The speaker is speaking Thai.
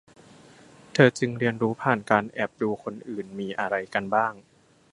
เธอจึงเรียนรู้ผ่านการแอบดูคนอื่นมีอะไรกันบ้าง